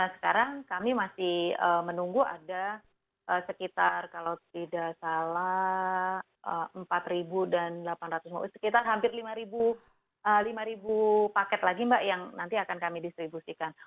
sekarang kami masih menunggu ada sekitar kalau tidak salah empat dan delapan ratus sekitar hampir lima paket lagi mbak yang nanti akan kami distribusikan